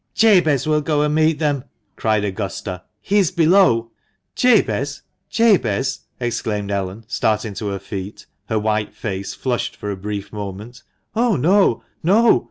" Jabez will go and meet them," cried Augusta ;" he is below !" "Jabez!" exclaimed Ellen, starting to her feet, her white face flushed for a brief moment. "Oh, no! no!"